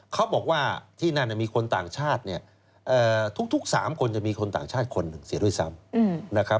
เขาบอกว่าที่นั่นมีคนต่างชาติทุกสามคนจะมีคนต่างชาติคนหนึ่งเสียด้วยซ้ำ